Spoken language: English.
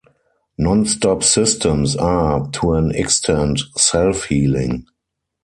NonStop systems are, to an extent, self-healing.